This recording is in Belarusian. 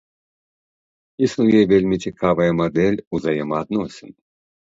Існуе вельмі цікавая мадэль узаемаадносін.